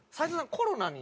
コロナに。